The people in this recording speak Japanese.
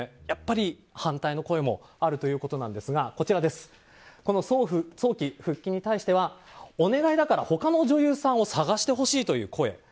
やっぱり反対の声もあるということなんですが早期復帰に対してはお願いだから他の女優さんを探してほしいという声。